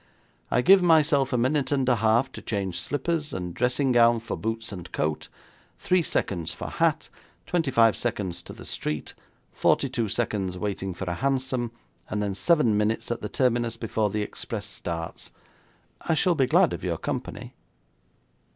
'I give myself a minute and a half to change slippers and dressing gown for boots and coat, three seconds for hat, twenty five seconds to the street, forty two seconds waiting for a hansom, and then seven minutes at the terminus before the express starts. I shall be glad of your company.'